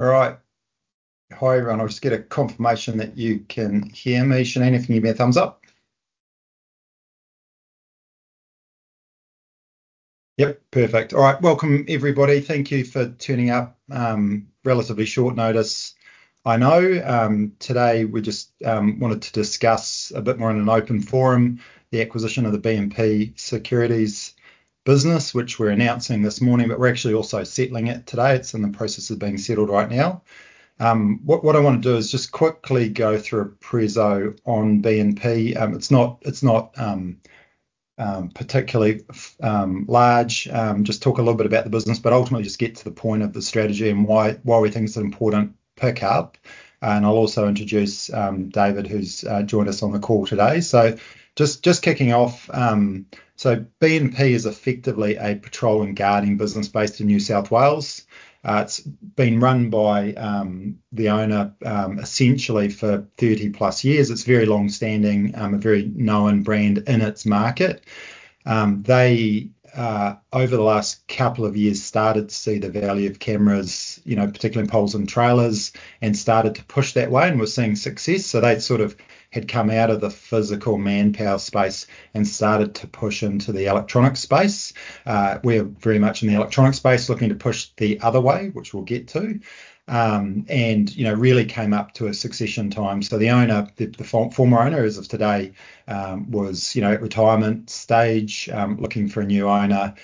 All right. Hi, everyone. I'll just get a confirmation that you can hear me. Shane, if you can give me a thumbs up. Yes, perfect. All right, welcome, everybody. Thank you for turning up, relatively short notice. I know, today we just wanted to discuss a bit more in an open forum the acquisition of the BNP Securities business, which we're announcing this morning, but we're actually also settling it today. It's in the process of being settled right now. What I want to do is just quickly go through a pro forma on BNP. It's not particularly large. Just talk a little bit about the business, but ultimately just get to the point of the strategy and why we think it's an important pickup. I'll also introduce David, who's joined us on the call today. Just kicking off, BNP is effectively a patrol and guarding business based in New South Wales. It's been run by the owner essentially for 30-plus years. It's very longstanding, a very known brand in its market. They over the last couple of years started to see the value of cameras, particularly in poles and trailers, and started to push that way and were seeing success. So they sort of had come out of the physical manpower space and started to push into the electronic space. We're very much in the electronic space looking to push the other way, which we'll get to. Really came up to a succession time. So the former owner as of today, was at retirement stage, looking for a new owner,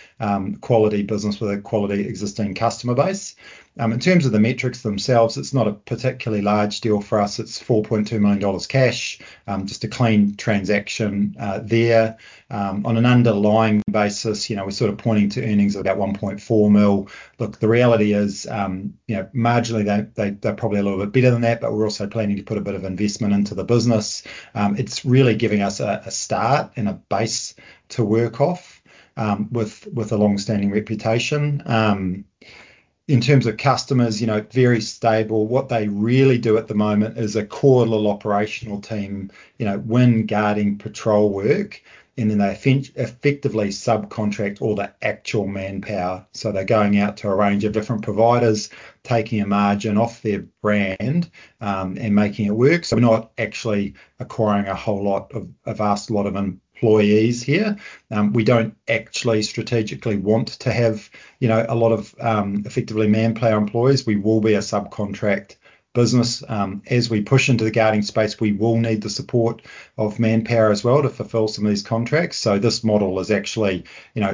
quality business with a quality existing customer base. In terms of the metrics themselves, it's not a particularly large deal for us. It's 4.2 million dollars cash, just a clean transaction, there. On an underlying basis, we're sort of pointing to earnings of about 1.4 million. Look, the reality is, marginally they're probably a little bit better than that, but we're also planning to put a bit of investment into the business. It's really giving us a start and a base to work off, with a longstanding reputation. In terms of customers, very stable. What they really do at the moment is a core little operational team, guarding patrol work, and then they effectively subcontract all the actual manpower. So they're going out to a range of different providers, taking a margin off their brand, and making it work. So we're not actually acquiring a whole lot of employees here. We don't actually strategically want to have, a lot of, effectively manpower employees. We will be a subcontract business. As we push into the guarding space, we will need the support of manpower as well to fulfill some of these contracts. So this model is actually,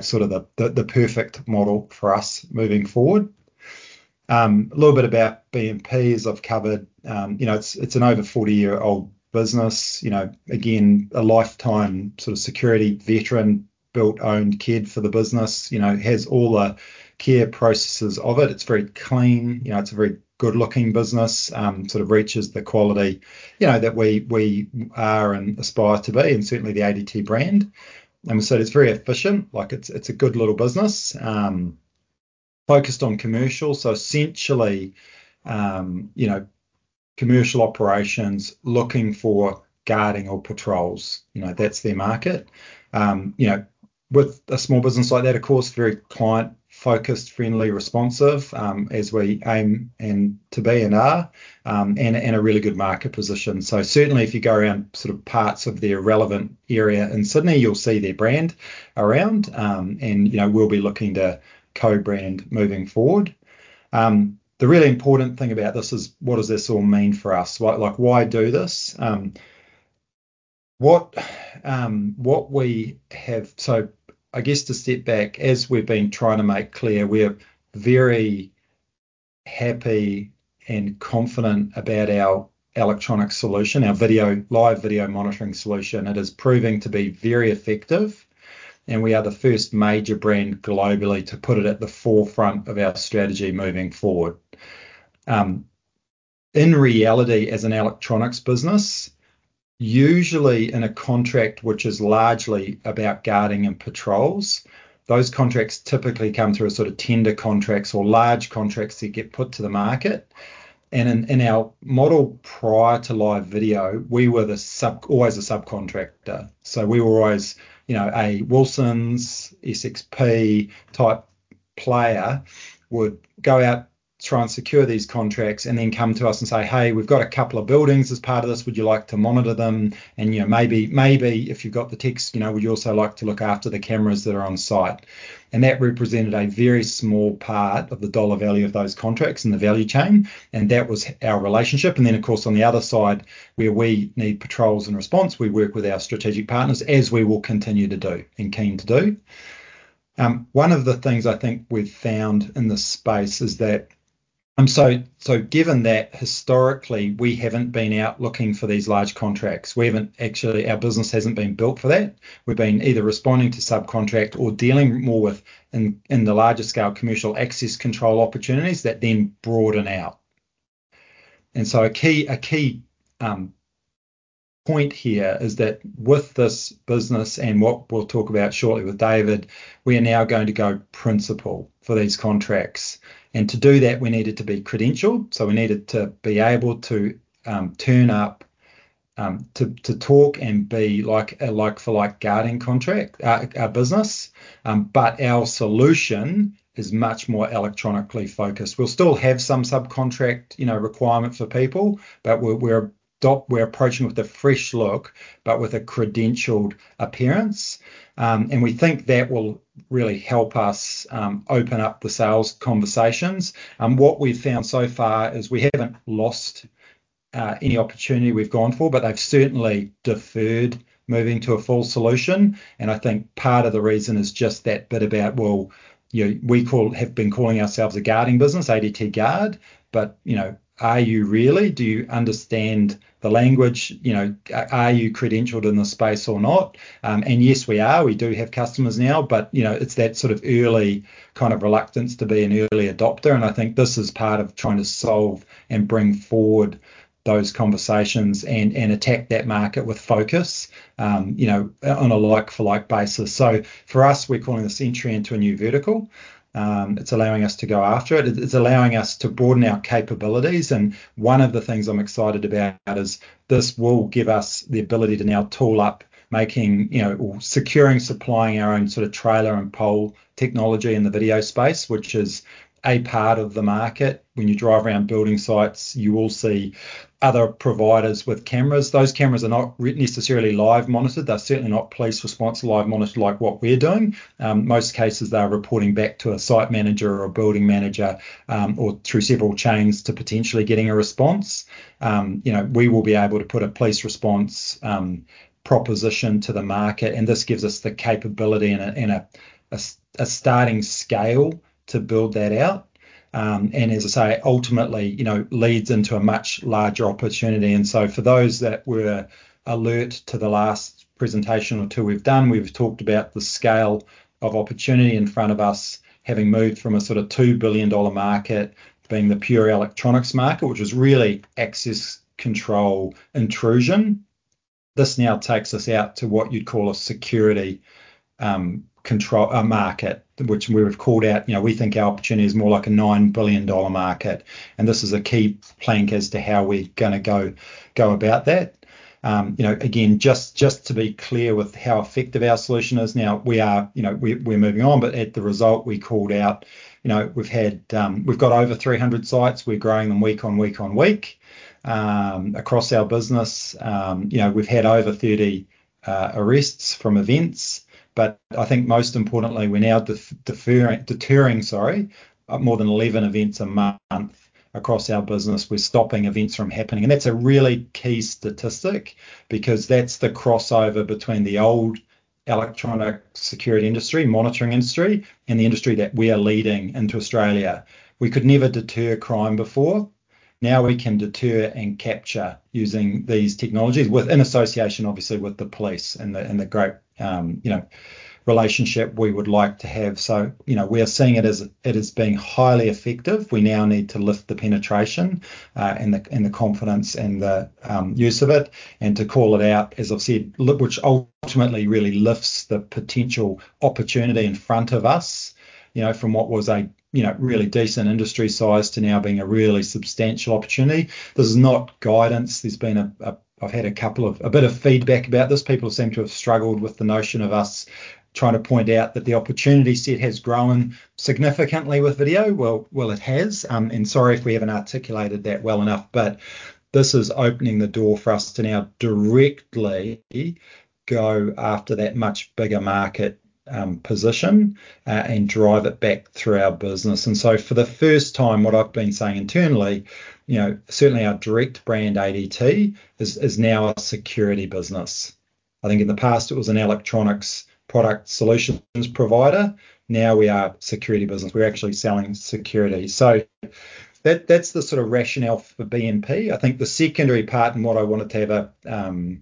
sort of the perfect model for us moving forward. A little bit about BNP as I've covered, it's an over 40-year-old business, again, a lifetime sort of security veteran, built and owned it for the business, has all the core processes of it. It's very clean, it's a very good-looking business, sort of matches the quality, that we are and aspire to be, and certainly the ADT brand. We said it's very efficient, like it's a good little business, focused on commercial. So essentially, commercial operations looking for guarding or patrols, that's their market. with a small business like that, of course, very client-focused, friendly, responsive, as we aim to be and are, and a really good market position. So certainly if you go around sort of parts of their relevant area in Sydney, you'll see their brand around, we'll be looking to co-brand moving forward. The really important thing about this is what does this all mean for us? Why do this? What we have, so I guess to step back, as we've been trying to make clear, we're very happy and confident about our electronic solution, our video, live video monitoring solution. It is proving to be very effective, and we are the first major brand globally to put it at the forefront of our strategy moving forward. In reality, as an electronics business, usually in a contract which is largely about guarding and patrols, those contracts typically come through a sort of tender contracts or large contracts that get put to the market. In our model prior to live video, we were the sub, always a subcontractor. So we were always, a Wilson's SXP type player would go out, try and secure these contracts and then come to us and say, "Hey, we've got a couple of buildings as part of this. Would you like to monitor them?" Maybe if you've got the tech, would you also like to look after the cameras that are on site? And that represented a very small part of the dollar value of those contracts in the value chain and that was our relationship. Then, of course, on the other side, where we need patrols and response, we work with our strategic partners as we will continue to do and keen to do. One of the things I think we've found in this space is that, given that historically we haven't been out looking for these large contracts, we haven't actually, our business hasn't been built for that. We've been either responding to subcontract or dealing more with in the larger scale commercial access control opportunities that then broaden out. A key, point here is that with this business and what we'll talk about shortly with David, we are now going to go principal for these contracts. To do that, we needed to be credentialed. So we needed to be able to turn up to talk and be a like-for-like guarding business, but our solution is much more electronically focused. We'll still have some subcontract, requirement for people, but we're approaching with a fresh look, but with a credentialed appearance, and we think that will really help us open up the sales conversations. What we've found so far is we haven't lost any opportunity we've gone for, but they've certainly deferred moving to a full solution. I think part of the reason is just that bit about, well, we've been calling ourselves a guarding business, ADT Guard, but, are you really? Do you understand the language? Are you credentialed in the space or not? Yes, we are. We do have customers now, but, it's that sort of early kind of reluctance to be an early adopter. I think this is part of trying to solve and bring forward those conversations and attack that market with focus, on a like-for-like basis. So for us, we're calling this entry into a new vertical. It's allowing us to go after it. It's allowing us to broaden our capabilities and one of the things I'm excited about is this will give us the ability to now tool up making, or securing, supplying our own sort of trailer and pole technology in the video space, which is a part of the market. When you drive around building sites, you will see other providers with cameras. Those cameras are not necessarily live monitored. They're certainly not police response live monitored like what we're doing. Most cases, they're reporting back to a site manager or a building manager, or through several chains to potentially getting a response. we will be able to put a police response proposition to the market, and this gives us the capability and a starting scale to build that out. As I say, ultimately, leads into a much larger opportunity. So for those that were alert to the last presentation or two we've done, we've talked about the scale of opportunity in front of us, having moved from a sort of 2 billion dollar market being the pure electronics market, which was really access control intrusion. This now takes us out to what you'd call a security control market, which we've called out. we think our opportunity is more like a 9 billion dollar market. This is a key plank as to how we're going to go about that. again, just to be clear with how effective our solution is now, we're moving on, but as a result, we called out. we've got over 300 sites. We're growing them week on week on week across our business. we've had over 30 arrests from events, but I think most importantly, we're now deterring, sorry, more than 11 events a month across our business. We're stopping events from happening and that's a really key statistic because that's the crossover between the old electronic security industry, monitoring industry, and the industry that we are leading into Australia. We could never deter crime before. Now we can deter and capture using these technologies with an association, obviously, with the police and the great, relationship we would like to have. So we are seeing it as it is being highly effective. We now need to lift the penetration, and the confidence and the use of it and to call it out, as I've said, which ultimately really lifts the potential opportunity in front of us, from what was a, really decent industry size to now being a really substantial opportunity. This is not guidance. I've had a couple of a bit of feedback about this. People seem to have struggled with the notion of us trying to point out that the opportunity set has grown significantly with video. Well, it has. Sorry if we haven't articulated that well enough, but this is opening the door for us to now directly go after that much bigger market, position, and drive it back through our business. So for the first time, what I've been saying internally, certainly our direct brand ADT is now a security business. I think in the past it was an electronics product solutions provider. Now we are a security business. We're actually selling security. So that, that's the sort of rationale for BNP. I think the secondary part and what I wanted to have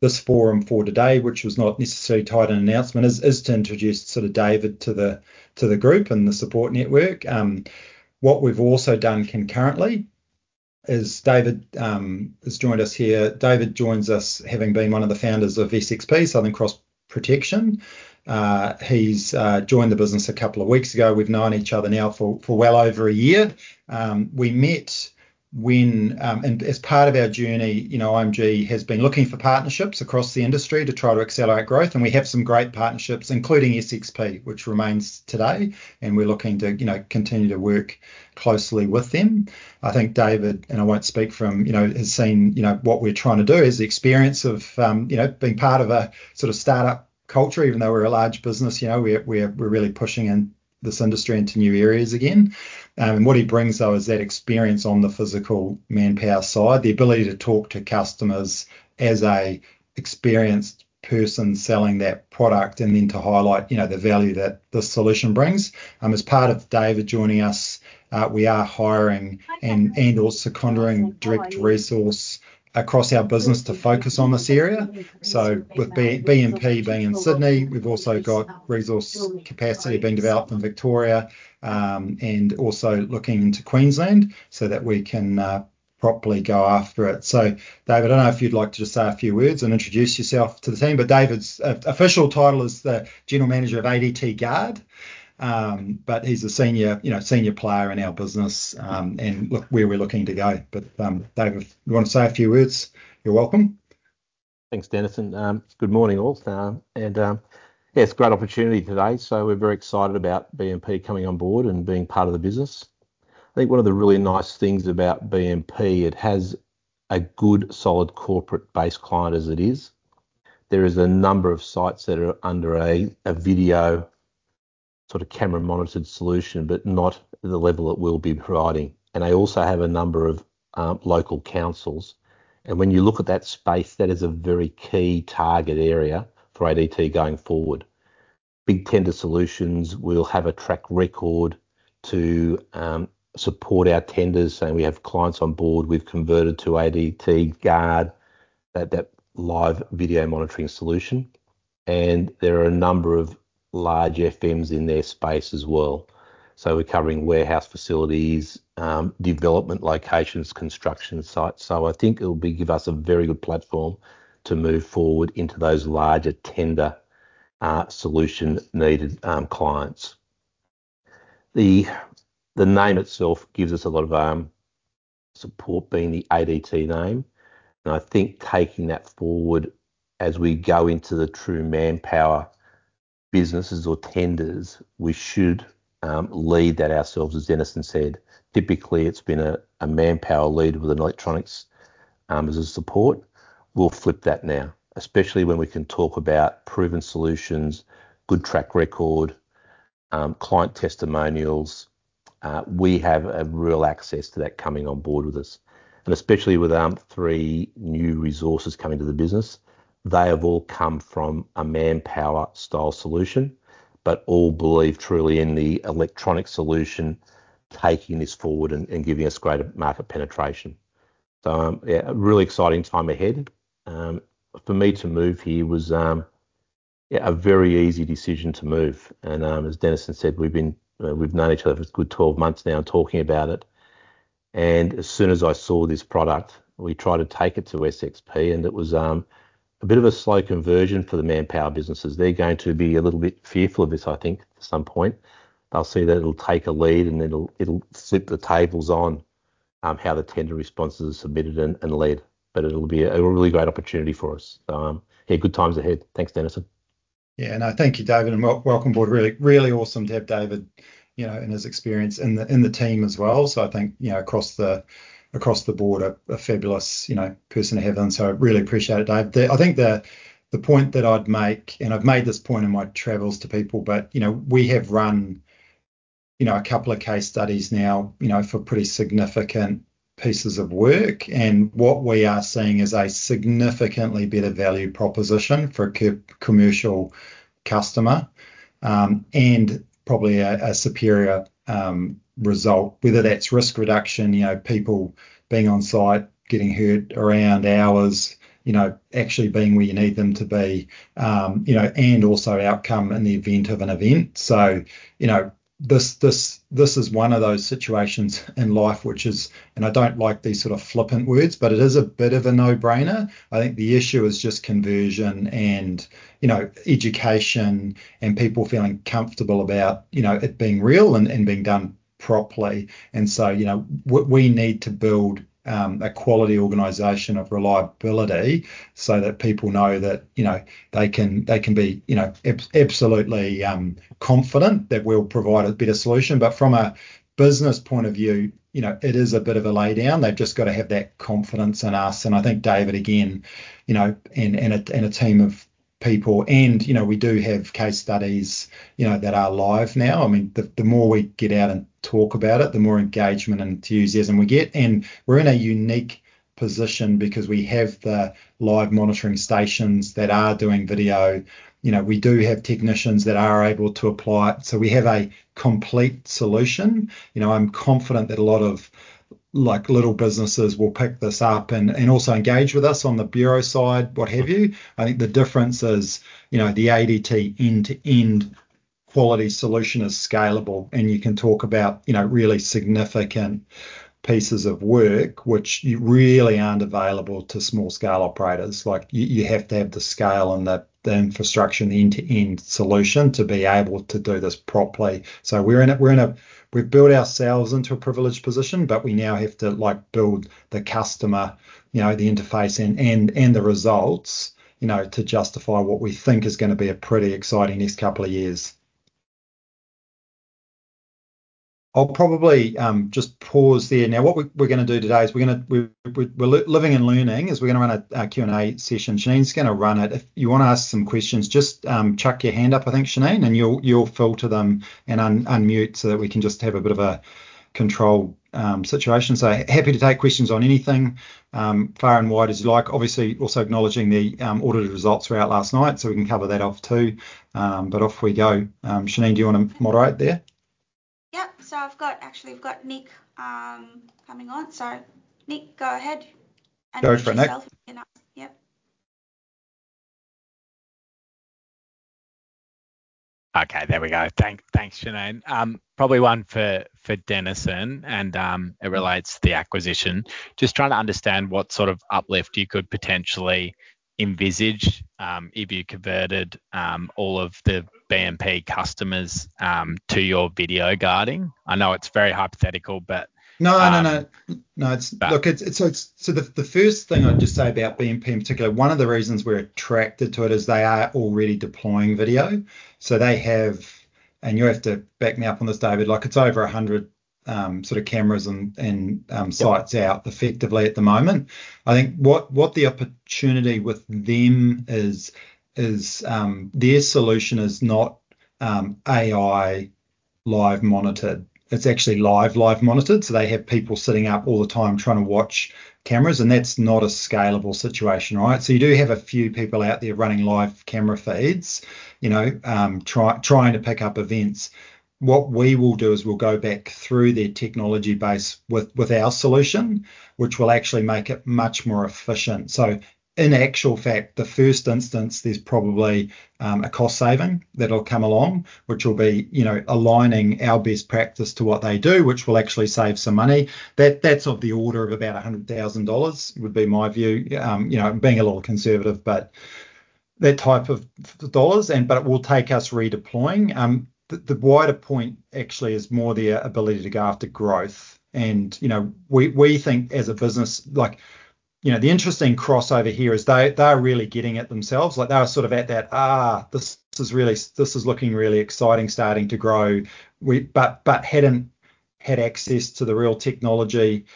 this forum for today, which was not necessarily tied in announcement, is to introduce sort of David to the group and the support network. What we've also done concurrently is David has joined us here. David joins us having been one of the founders of SXP Southern Cross Protection. He's joined the business a couple of weeks ago. We've known each other now for well over a year. We met when, and as part of our journey, IMG has been looking for partnerships across the industry to try to accelerate growth. We have some great partnerships, including SXP, which remains today. We're looking to continue to work closely with them. I think David and I won't speak for him, he has seen what we're trying to do is the experience of being part of a sort of startup culture, even though we're a large business, we're really pushing in this industry into new areas again and what he brings though is that experience on the physical manpower side, the ability to talk to customers as a experienced person selling that product and then to highlight, the value that the solution brings. As part of David joining us, we are hiring and, and also in-sourcing direct resource across our business to focus on this area. So with BNP being in Sydney, we've also got resource capacity being developed in Victoria, and also looking into Queensland so that we can properly go after it. So David, I don't know if you'd like to just say a few words and introduce yourself to the team, but David's official title is the General Manager of ADT Guard. But he's a senior, senior player in our business, and look where we're looking to go. But, David, if you want to say a few words, you're welcome. Thanks, Dennison. Good morning, all. And, yeah, it's a great opportunity today. So we're very excited about BNP coming on board and being part of the business. I think one of the really nice things about BNP, it has a good solid corporate-based client as it is. There is a number of sites that are under a video sort of camera monitored solution, but not the level that we'll be providing and they also have a number of local councils and when you look at that space, that is a very key target area for ADT going forward. Big Tender Solutions will have a track record to support our tenders and we have clients on board. We've converted to ADT Guard, that live video monitoring solution and there are a number of large FMs in their space as well. So we're covering warehouse facilities, development locations, construction sites. So I think it'll give us a very good platform to move forward into those larger tender, solution needed clients. The name itself gives us a lot of support being the ADT name and I think taking that forward as we go into the true manpower businesses or tenders, we should lead that ourselves, as Dennison said. Typically, it's been a manpower leader with an electronics as a support. We'll flip that now, especially when we can talk about proven solutions, good track record, client testimonials. We have a real access to that coming on board with us. And especially with three new resources coming to the business, they have all come from a manpower style solution, but all believe truly in the electronic solution taking this forward and giving us greater market penetration. So a really exciting time ahead. For me to move here was, yeah, a very easy decision to move. And, as Dennison said, we've been, we've known each other for a good 12 months now talking about it. As soon as I saw this product, we tried to take it to SXP and it was a bit of a slow conversion for the manpower businesses. They're going to be a little bit fearful of this, I think, at some point. They'll see that it'll take a lead and it'll flip the tables on how the tender responses are submitted and lead. But it'll be a really great opportunity for us. So good times ahead. Thanks, Dennison. Yeah. thank you, David, and welcome aboard. Really, really awesome to have David, and his experience in the team as well. So, I think, across the board, a fabulous, person to have on the team. So, I really appreciate it, David. I think the point that I'd make, and I've made this point in my travels to people, but, we have run, a couple of case studies now, for pretty significant pieces of work, and what we are seeing is a significantly better value proposition for a commercial customer, and probably a superior result, whether that's risk reduction, people being on site, getting hurt on our rounds, actually being where you need them to be, and also outcome in the event of an event. I mean, the more we get out and talk about it, the more engagement and enthusiasm we get and we're in a unique position because we have the live monitoring stations that are doing video. we do have technicians that are able to apply it. So we have a complete solution. I'm confident that a lot of like little businesses will pick this up and also engage with us on the bureau side, what have you. I think the difference is, the ADT end-to-end quality solution is scalable and you can talk about, really significant pieces of work, which really aren't available to small scale operators. You have to have the scale and the infrastructure, the end-to-end solution to be able to do this properly. So we're in a privileged position, but we now have to like build the customer, the interface and the results, to justify what we think is going to be a pretty exciting next couple of years. I'll probably just pause there. Now, what we're going to do today is we're living and learning as we're going to run a Q&A session. Shane's going to run it. If you want to ask some questions, just chuck your hand up, I think, Shane, and you'll filter them and unmute so that we can just have a bit of a controlled situation. So happy to take questions on anything, far and wide as you like. Obviously, also acknowledging the audited results throughout last night so we can cover that off too, but off we go. Shane, do you want to moderate there? Yes. So actually, we've got Nick, coming on. So Nick, go ahead. Go for it, Nick. Okay. There we go. Thanks, Shane. Probably one for Dennison and it relates to the acquisition. Just trying to understand what sort of uplift you could potentially envisage if you converted all of the BNP customers to your video guarding. I know it's very hypothetical, but. No, look, so the first thing I'd just say about BNP in particular, one of the reasons we're attracted to it is they are already deploying video. So they have, and you have to back me up on this, David, like it's over a hundred, sort of cameras and sites out effectively at the moment. I think what the opportunity with them is, their solution is not AI live monitored. It's actually live monitored, so they have people sitting up all the time trying to watch cameras and that's not a scalable situation, right, so you do have a few people out there running live camera feeds, trying to pick up events. What we will do is we'll go back through their technology base with our solution, which will actually make it much more efficient, so in actual fact, in the first instance, there's probably a cost saving that'll come along, which will be, aligning our best practice to what they do, which will actually save some money. That, that's of the order of about 100,000 dollars would be my view, being a little conservative, but that type of dollars and, but it will take us redeploying. The wider point actually is more the ability to go after growth. We think as a business, like, the interesting crossover here is they are really getting it themselves. Like they were sort of at that, this is looking really exciting, starting to grow but hadn't had access to the real technology,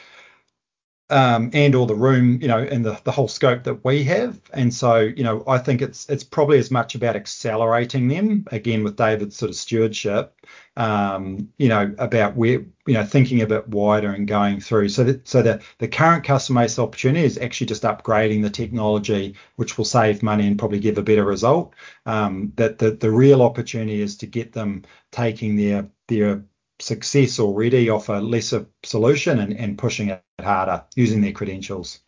and all the room, and the whole scope that we have. So, I think it's probably as much about accelerating them again with David's sort of stewardship, thinking a bit wider and going through. The current customer base opportunity is actually just upgrading the technology, which will save money and probably give a better result. The real opportunity is to get them taking their success already off a lesser solution and pushing it harder using their credentials.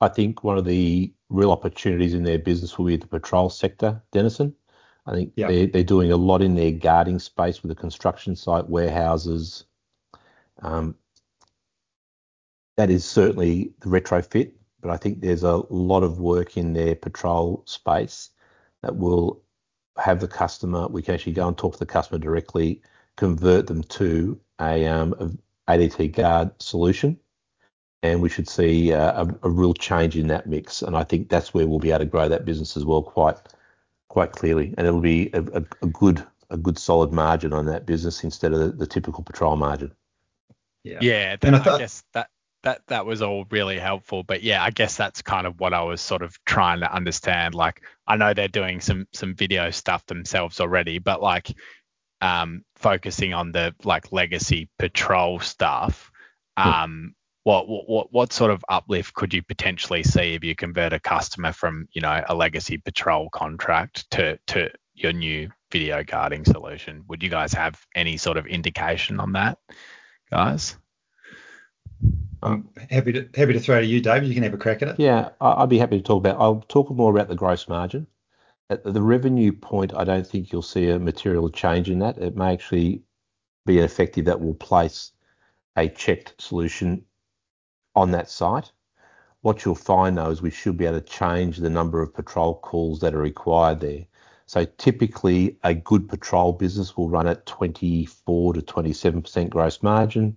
I think one of the real opportunities in their business will be the patrol sector, Dennison. I think they're doing a lot in their guarding space with the construction site warehouses. That is certainly the retrofit, but I think there's a lot of work in their patrol space that will have the customer. We can actually go and talk to the customer directly, convert them to a ADT Guard solution, and we should see a real change in that mix. I think that's where we'll be able to grow that business as well quite clearly. t'll be a good solid margin on that business instead of the typical patrol margin. Yeah. Yeah. Then I thought that was all really helpful. But yeah, I guess that's kind of what I was sort of trying to understand. Like I know they're doing some video stuff themselves already, but like, focusing on the like legacy patrol stuff, what sort of uplift could you potentially see if you convert a customer from, a legacy patrol contract to your new video guarding solution? Would you guys have any sort of indication on that, guys? I'm happy to throw it to you, David. You can have a crack at it. Yeah. I'd be happy to talk about. I'll talk more about the gross margin. At the revenue point, I don't think you'll see a material change in that. It may actually be an effective that will place a CHeKT solution on that site. What you'll find though is we should be able to change the number of patrol calls that are required there. So typically a good patrol business will run at 24% to 27% gross margin.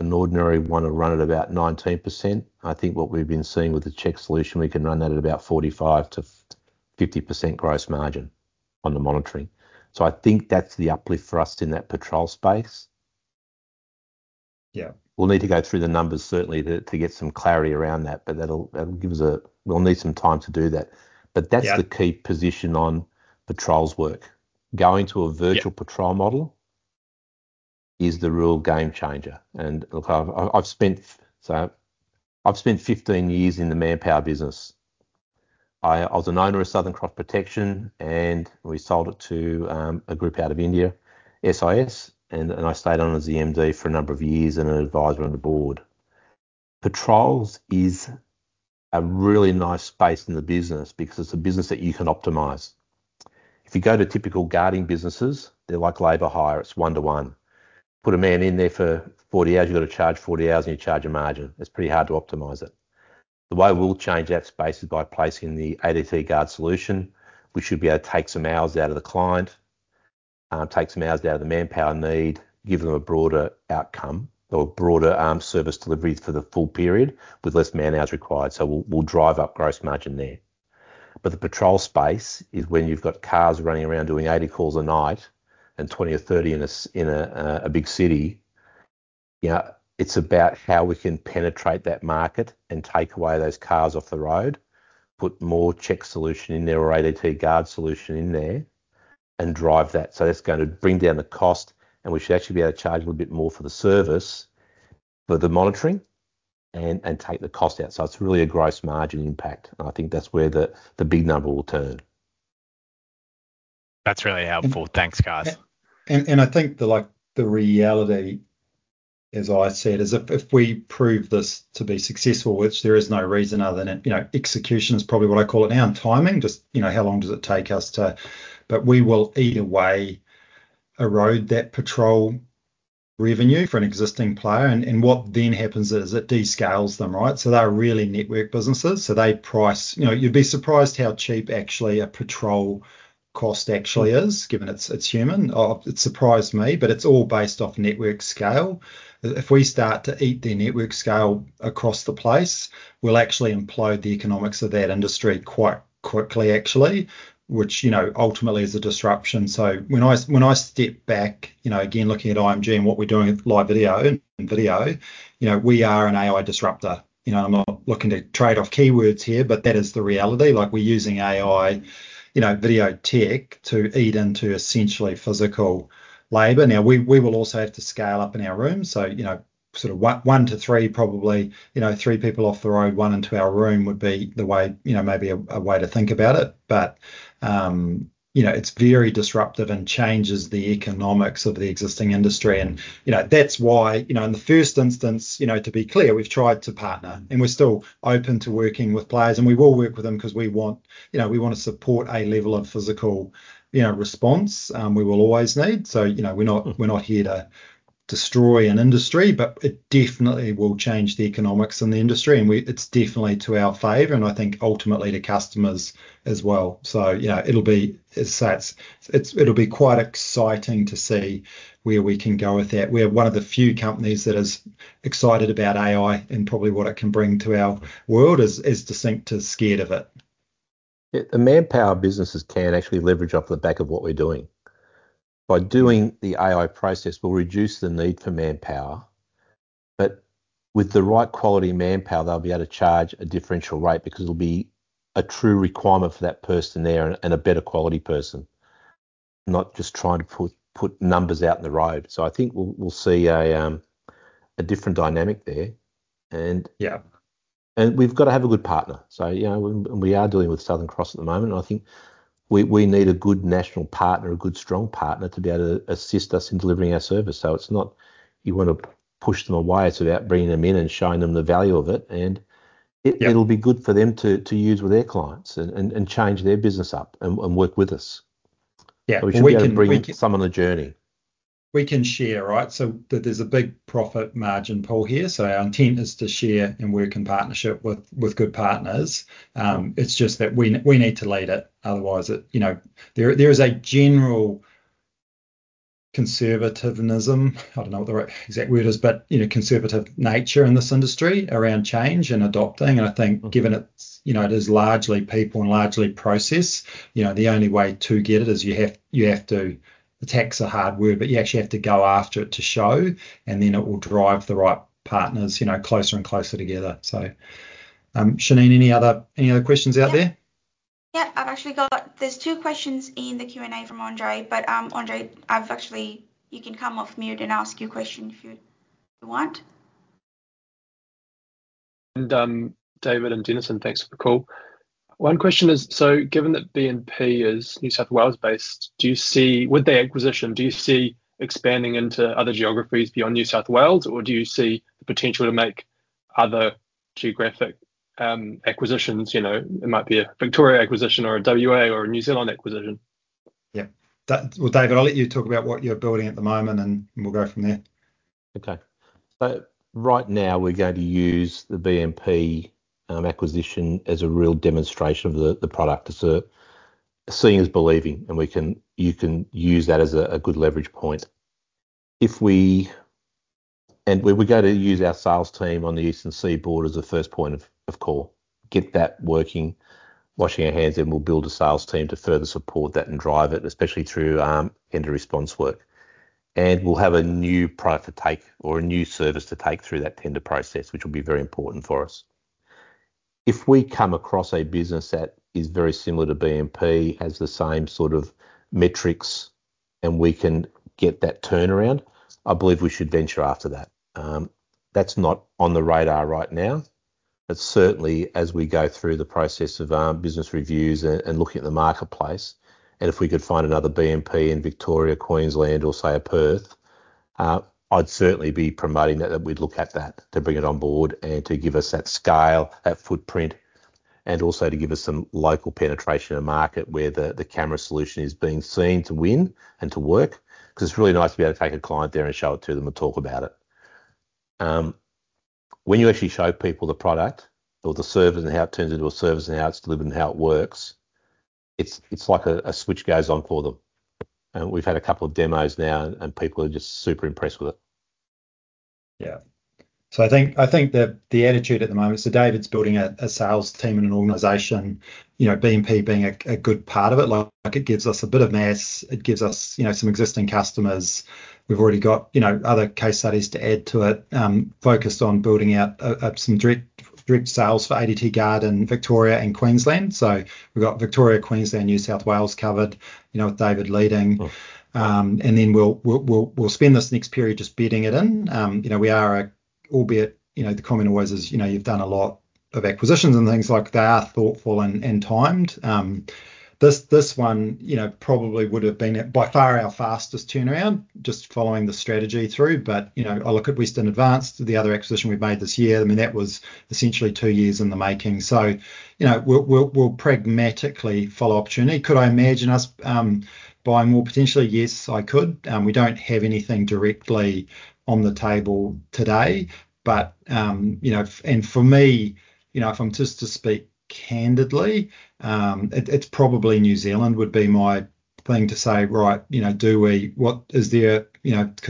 An ordinary one will run at about 19%. I think what we've been seeing with the CHeKT solution, we can run that at about 45% to 50% gross margin on the monitoring. So I think that's the uplift for us in that patrol space. We'll need to go through the numbers certainly to get some clarity around that, but that'll give us a, we'll need some time to do that. But that's the key position on patrols work. Going to a Virtual Patrol model is the real game changer. Look, I've spent 15 years in the manpower business. I was an owner of Southern Cross Protection and we sold it to a group out of India, SIS. I stayed on as the MD for a number of years and an advisor on the board. Patrols is a really nice space in the business because it's a business that you can optimize. If you go to typical guarding businesses, they're like labor hire. It's one to one. Put a man in there for 40 hours. You've got to charge 40 hours and you charge a margin. It's pretty hard to optimize it. The way we'll change that space is by placing the ADT Guard solution, which should be able to take some hours out of the client, take some hours out of the manpower need, give them a broader outcome or broader service delivery for the full period with less man hours required. So we'll drive up gross margin there. But the patrol space is when you've got cars running around doing 80 calls a night and 20 or 30 in a big city, it's about how we can penetrate that market and take away those cars off the road, put more check solution in there or ADT Guard solution in there and drive that. So that's going to bring down the cost and we should actually be able to charge a little bit more for the service, for the monitoring and take the cost out. So it's really a gross margin impact. I think that's where the big number will turn. That's really helpful. Thanks, guys. I think the reality, as I said, is if we prove this to be successful, which there is no reason other than, execution is probably what I call it now and timing, just, how long does it take us to, but we will either way erode that patrol revenue for an existing player. What then happens is it descales them, right? So they're really network businesses. So you'd be surprised how cheap actually a patrol cost actually is, given it's human. It surprised me, but it's all based off network scale. If we start to eat their network scale across the place, we'll actually implode the economics of that industry quite quickly, actually, which, ultimately is a disruption. So when I step back, again, looking at IMG and what we're doing with live video and video, we are an AI disruptor. I'm not looking to trade off keywords here, but that is the reality. Like we're using AI video tech to eat into essentially physical labor. Now we, we will also have to scale up in our room. So, sort of one to three, probably, three people off the road, one into our room would be the way, maybe a way to think about it. But, it's very disruptive and changes the economics of the existing industry. That's why, in the first instance, to be clear, we've tried to partner and we're still open to working with players and we will work with them because we want, we want to support a level of physical, response we will always need. So, we're not, we're not here to destroy an industry, but it definitely will change the economics in the industry and we, it's definitely to our favor and I think ultimately to customers as well. So it'll be quite exciting to see where we can go with that. We are one of the few companies that is excited about AI and probably what it can bring to our world is distinct to scared of it. The manpower businesses can actually leverage off the back of what we're doing. By doing the AI process, we'll reduce the need for manpower, but with the right quality manpower, they'll be able to charge a differential rate because it'll be a true requirement for that person there and a better quality person, not just trying to put numbers out in the road. So I think we'll see a different dynamic there. We've going to have a good partner. So we are dealing with Southern Cross at the moment. I think we need a good national partner, a good strong partner to be able to assist us in delivering our service. So it's not you want to push them away. It's about bringing them in and showing them the value of it. And it'll be good for them to use with their clients and change their business up and work with us. We should be able to bring someone on the journey. We can share, right? So that there's a big profit margin pool here. So our intent is to share and work in partnership with good partners. It's just that we need to lead it. Otherwise, there is a general conservativeness. I don't know what the right exact word is, but, conservative nature in this industry around change and adopting. I think given it's, it is largely people and largely process, the only way to get it is you have, you have to, the tasks are hard work, but you actually have to go after it to show, and then it will drive the right partners, closer and closer together. So, Shane, any other questions out there? Yeah, I've actually got, there's two questions in the Q&A from Andre, but, Andre, actually, you can come off mute and ask your question if you want. David and Dennison, thanks for the call. One question is, given that BNP is New South Wales based, with the acquisition, do you see expanding into other geographies beyond New South Wales, or do you see the potential to make other geographical acquisitions? It might be a Victoria acquisition or a WA or a New Zealand acquisition. Yeah. Well, David, I'll let you talk about what you're building at the moment and we'll go from there. Okay. So right now we're going to use the BNP acquisition as a real demonstration of the product. It's a seeing is believing and you can use that as a good leverage point and we're going to use our sales team on the exec board as a first point of call, get that working, and we'll build a sales team to further support that and drive it, especially through tender response work. We'll have a new product to take or a new service to take through that tender process, which will be very important for us. If we come across a business that is very similar to BNP has the same sort of metrics and we can get that turnaround, I believe we should venture after that. That's not on the radar right now, but certainly as we go through the process of business reviews and looking at the marketplace, and if we could find another BNP in Victoria, Queensland, or say a Perth, I'd certainly be promoting that we'd look at that to bring it on board and to give us that scale, that footprint, and also to give us some local penetration of market where the camera solution is being seen to win and to work because it's really nice to be able to take a client there and show it to them and talk about it. When you actually show people the product or the service and how it turns into a service and how it's delivered and how it works, it's like a switch goes on for them. And we've had a couple of demos now and people are just super impressed with it. Yeah. I think that the attitude at the moment is that David's building a sales teaM&An organization, BNP being a good part of it. Like it gives us a bit of mass, it gives us some existing customers. We've already got other case studies to add to it, focused on building out some direct sales for ADT Guard in Victoria and Queensland. So we've got Victoria, Queensland, New South Wales covered, with David leading and then we'll spend this next period just bidding it in. we are, albeit, the comment always is, you've done a lot of acquisitions and things like that are thoughtful and timed. This one, probably would've been by far our fastest turnaround just following the strategy through. But, I look at Western Advance, the other acquisition we've made this year. I mean, that was essentially two years in the making. So we'll pragmatically follow opportunity. Could I imagine us buying more potentially? Yes, I could. We don't have anything directly on the table today, and for me, if I'm just to speak candidly, it's probably New Zealand would be my thing to say, right, because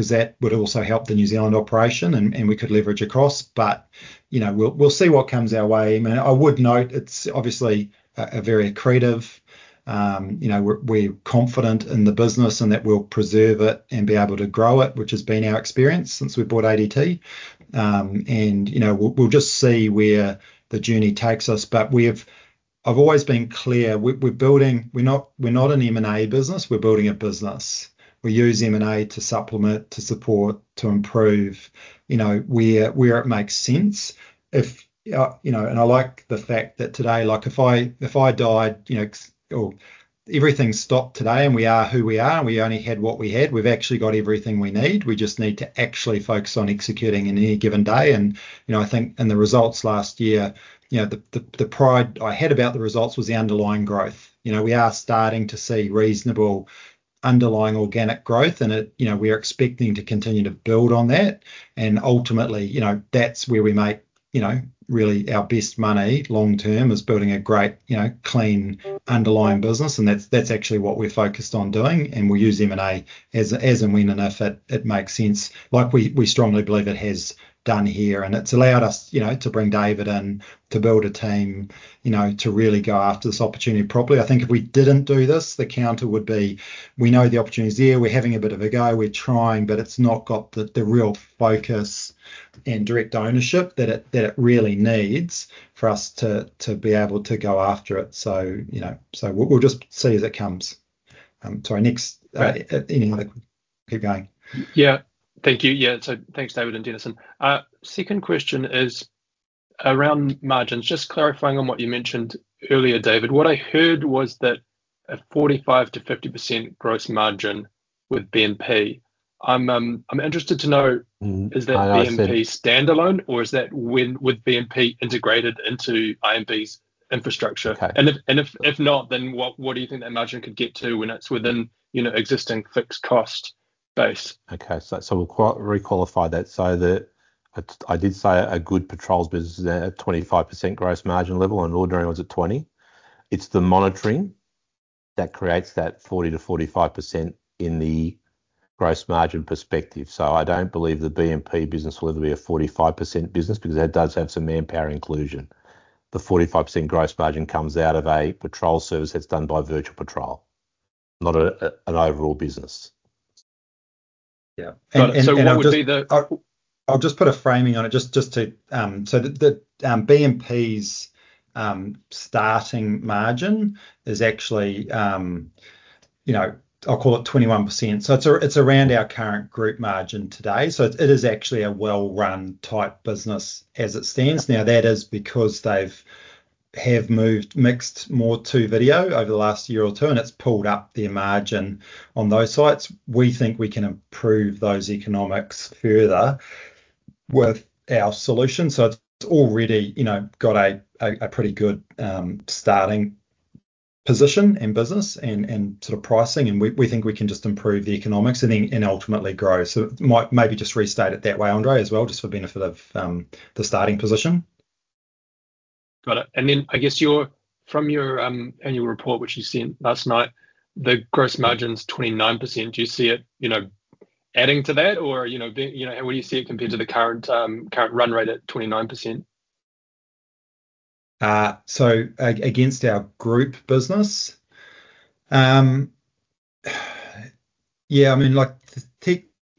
that would also help the New Zealand operation and we could leverage across. But we'll see what comes our way. I mean, I would note it's obviously a very accretive, we're confident in the business and that we'll preserve it and be able to grow it, which has been our experience since we bought ADT. We'll just see where the journey takes us. But I've always been clear, we're not an M&A business, we're building a business. We use M&A to supplement, to support, to improve, where it makes sense, and I like the fact that today, like if I died, or everything stopped today and we are who we are and we only had what we had, we've actually got everything we need. We just need to actually focus on executing in any given day. I think in the results last year, the pride I had about the results was the underlying growth. we are starting to see reasonable underlying organic growth and it, we are expecting to continue to build on that. Ultimately, that's where we make, really our best money long term is building a great, clean underlying business. That's actually what we are focused on doing. We use M&A as a win and if it makes sense, like we strongly believe it has done here. It's allowed us to bring David in to build a team, to really go after this opportunity properly. I think if we didn't do this, the counter would be we know the opportunity's there, we're having a bit of a go, we're trying, but it's not got the real focus and direct ownership that it really needs for us to be able to go after it. We'll just see as it comes. Any other question? Keep going. Yeah. Thank you. Yeah. Thanks, David and Dennison. Second question is around margins, just clarifying on what you mentioned earlier, David. What I heard was that a 45% to 50% gross margin with BNP. I'm interested to know, is that BNP standalone or is that when with BNP integrated into IMG's infrastructure? And if not, then what do you think that margin could get to when it's within, existing fixed cost base? Okay. So we'll requalify that. So that I did say a good patrols business at a 25% gross margin level and ordinary was at 20%. It's the monitoring that creates that 40% to 45% in the gross margin perspective. So I don't believe the BNP business will ever be a 45% business because that does have some manpower inclusion. The 45% gross margin comes out of a patrol service that's done by Virtual Patrol, not an overall business. Yeah. I'll just put a framing on it just to, so the BNP's starting margin is actually, I'll call it 21%. So it's around our current group margin today. So it is actually a well-run type business as it stands now. That is because they have moved more to video over the last year or two and it's pulled up their margin on those sites. We think we can improve those economics further with our solution. So it's already, got a pretty good starting position and business and sort of pricing. We think we can just improve the economics and then ultimately grow. So it might maybe just restate it that way, Andre, as well, just for the benefit of the starting position. Got it. Then I guess from your annual report, which you sent last night, the gross margin's 29%. Do you see it adding to that or, how would you see it compared to the current run rate at 29%? So against our group business, yeah, I mean, like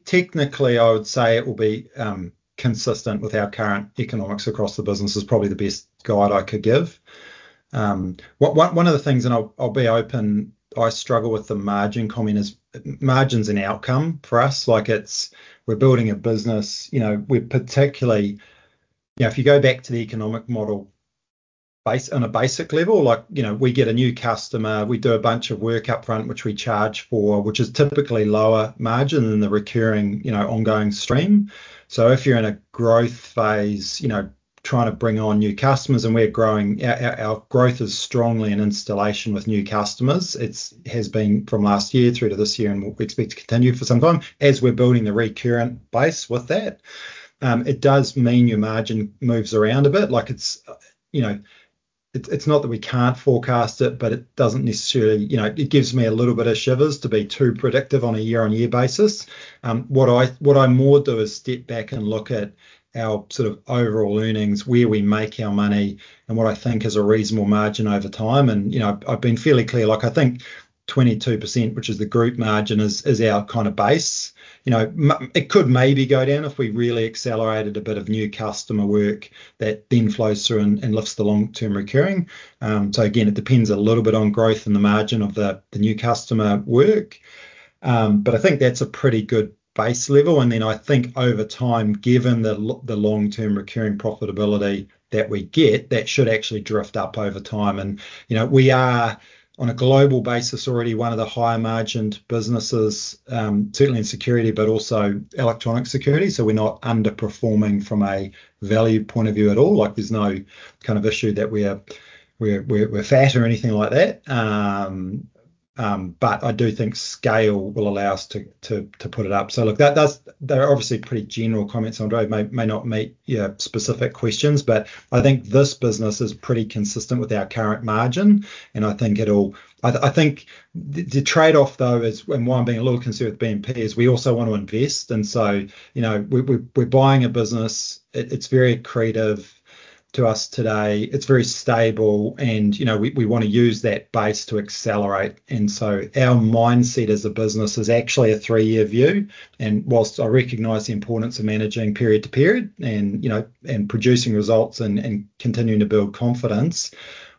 technically I would say it will be consistent with our current economics across the business is probably the best guide I could give. One of the things, and I'll be open, I struggle with the margin comment is margins an outcome for us. Like it's, we're building a business, we're particularly, if you go back to the economic model based on a basic level, we get a new customer, we do a bunch of work upfront, which we charge for, which is typically lower margin than the recurring, ongoing stream. So if you're in a growth phase, trying to bring on new customers and we are growing, our growth is strongly in installation with new customers. It has been from last year through to this year and we expect to continue for some time as we're building the recurring base with that. It does mean your margin moves around a bit. Like it's not that we can't forecast it, but it doesn't necessarily, it gives me a little bit of shivers to be too predictive on a year-on-year basis. What I more do is step back and look at our sort of overall earnings, where we make our money and what I think is a reasonable margin over time. I've been fairly clear, like I think 22%, which is the group margin is our kind of base. it could maybe go down if we really accelerated a bit of new customer work that then flows through and lifts the long-term recurring. So again, it depends a little bit on growth and the margin of the new customer work. But I think that's a pretty good base level. Then I think over time, given the long-term recurring profitability that we get, that should actually drift up over time. we are on a global basis already one of the higher margined businesses, certainly in security, but also electronic security. So we're not underperforming from a value point of view at all. Like there's no kind of issue that we are fat or anything like that. But I do think scale will allow us to put it up. So look, they're obviously pretty general comments, Andre may not meet specific questions, but I think this business is pretty consistent with our current margin. I think the trade-off though is, and why I'm being a little concerned with BNP is we also want to invest. We're buying a business. It's very accretive to us today. It's very stable, we want to use that base to accelerate. So our mindset as a business is actually a three-year view. Whilst I recognize the importance of managing period to period, and producing results and continuing to build confidence,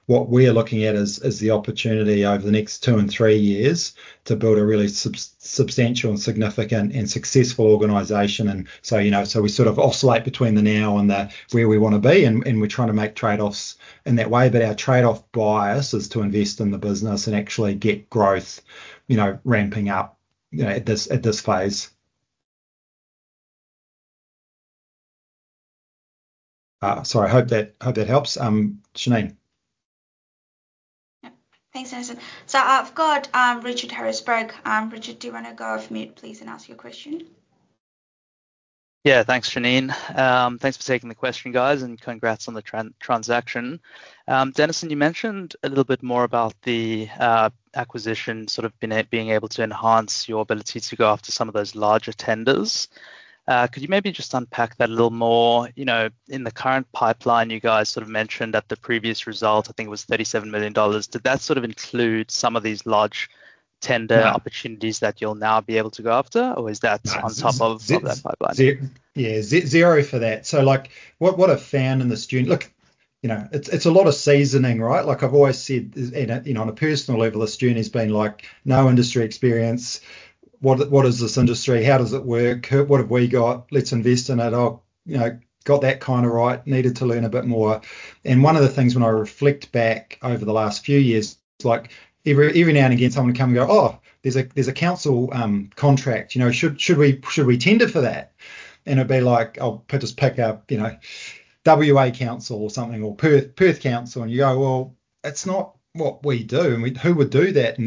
what we are looking at is the opportunity over the next two and three years to build a really substantial and significant and successful organization. We sort of oscillate between the now and the where we want to be. And we're trying to make trade-offs in that way. But our trade-off bias is to invest in the business and actually get growth, ramping up, at this phase. So I hope that helps. Shane. Yes. Thanks, Dennison. So I've got Richard Harrisburg. Richard, do you want to go off mute, please, and ask your question? Yeah. Thanks, Shane. Thanks for taking the question, guys, and congrats on the transaction. Dennison, you mentioned a little bit more about the acquisition, sort of being able to enhance your ability to go after some of those larger tenders. Could you maybe just unpack that a little more, in the current pipeline you guys sort of mentioned that the previous result, I think it was 37 million dollars. Did that sort of include some of these large tender opportunities that you'll now be able to go after, or is that on top of that pipeline? Yeah. Zero for that. So like what, what I found in the situation, look, it's, it's a lot of seasoning, right? Like I've always said, on a personal level, I started with no industry experience. What is this industry? How does it work? What have we got? Let's invest in it. Oh, got that kind of right. Needed to learn a bit more. And one of the things when I reflect back over the last few years, like every now and again someone would come and go, oh, there's a council contract, should we tender for that? It'd be like, I'll just pick up, WA Council or something or Perth Council. You go, well, it's not what we do and who would do that?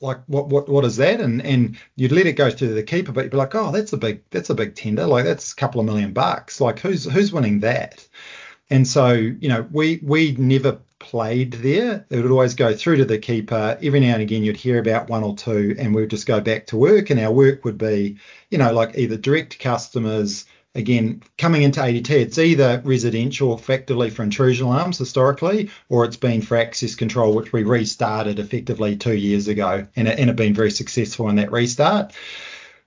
What is that? You'd let it go to the keeper, but you'd be like, oh, that's a big, that's a big tender. Like that's 2 million bucks. Like who's winning that? We'd never played there. It would always go through to the keeper. Every now and again you'd hear about one or two and we'd just go back to work and our work would be, like either direct customers, again, coming into ADT, it's either residential effectively for intrusion alarms historically, or it's been for access control, which we restarted effectively two years ago and it had been very successful in that restart.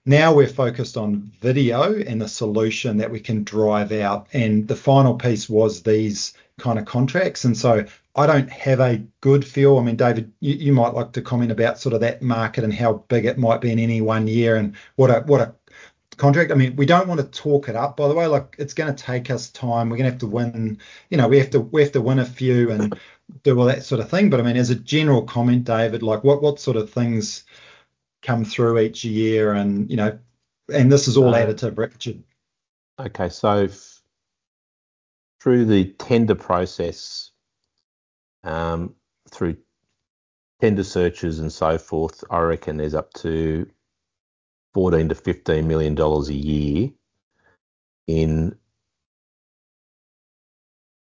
Now we're focused on video and the solution that we can drive out. The final piece was these kind of contracts. And so I don't have a good feel. I mean, David, you might like to comment about sort of that market and how big it might be in any one year and what a contract. I mean, we don't want to talk it up, by the way. Like it's going to take us time. We have to win a few and do all that sort of thing. But I mean, as a general comment, David, like what sort of things come through each year and this is all added to Richard. Okay. So through the tender process, through tender searches and so forth, I reckon there's up to 14 to 15 million a year in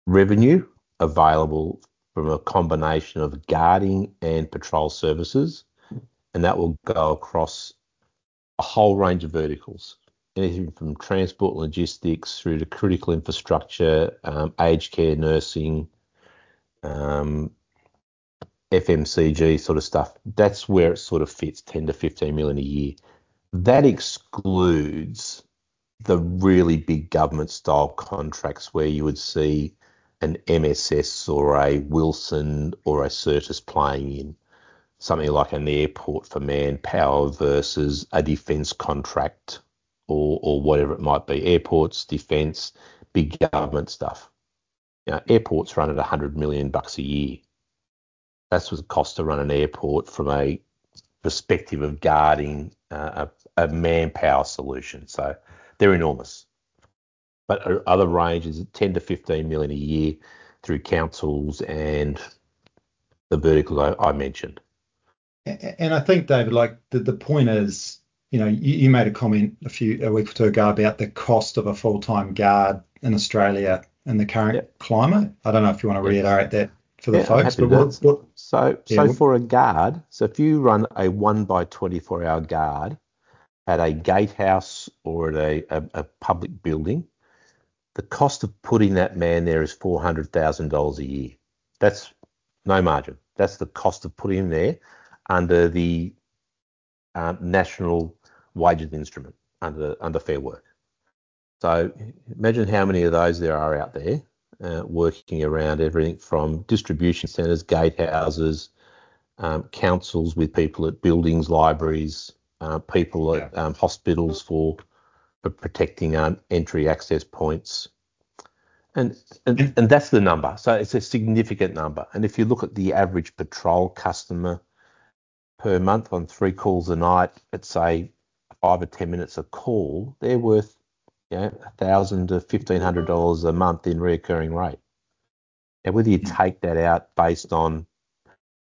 revenue available from a combination of guarding and patrol services. That will go across a whole range of verticals, anything from transport logistics through to critical infrastructure, aged care, nursing, FMCG sort of stuff. That's where it sort of fits, 10 to 15 million a year. That excludes the really big government style contracts where you would see an MSS or a Wilson or a Certis playing in something like an airport for manpower versus a defense contract or whatever it might be. Airports, defense, big government stuff. Airports run at 100 million bucks a year. That's what it costs to run an airport from a perspective of guarding, a manpower solution. So they're enormous. But other ranges, 10 to 15 million a year through councils and the verticals I mentioned. I think, David, like the point is, you made a comment a week or two ago about the cost of a full-time guard in Australia and the current climate. I don't know if you want to reiterate that for the folks,. For a guard, if you run a one-man 24-hour guard at a gatehouse or at a public building, the cost of putting that man there is 400,000 dollars a year. That's no margin. That's the cost of putting him there under the national wages instrument, under fair work. Imagine how many of those there are out there, working around everything from distribution centers, gatehouses, councils with people at buildings, libraries, people at hospitals for protecting entry access points. That's the number. It's a significant number. If you look at the average patrol customer per month on three calls a night, let's say five or 10 minutes a call, they're worth, 1,000 to 1,500 a month in recurring rate. Whether you take that out based on